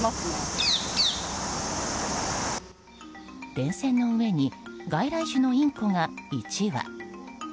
電線の上に外来種のインコが１羽。